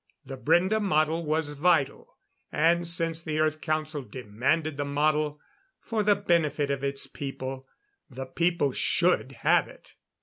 The Brende model was vital, and since the Earth Council demanded the model (for the benefit of its people) the people should have it.